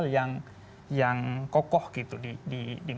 sehingga nantinya ke depan betul betul diimplementasikan secara serius